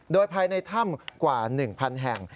โดยภายในถ้ำกว่า๑๐๐แห่ง